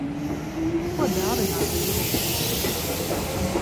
Ko dāvināt vīriešiem?